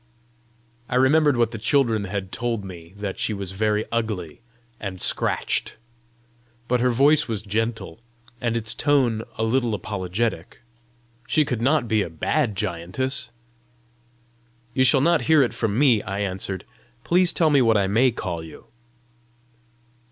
I remembered what the children had told me that she was very ugly, and scratched. But her voice was gentle, and its tone a little apologetic: she could not be a bad giantess! "You shall not hear it from me," I answered, "Please tell me what I MAY call you!"